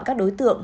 các đối tượng